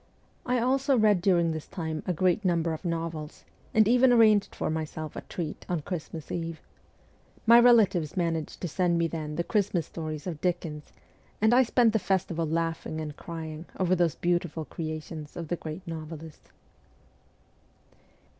I also read during this time a great number of novels, and even arranged for myself a treat on Christmas Eve. My relatives managed to send me then the Christmas THE FORTRESS 151 stories of Dickens, and I spent the festival laughing and crying over those beautiful creations of the great novelist.